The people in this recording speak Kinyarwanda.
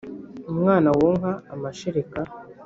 umwana wonka amashereka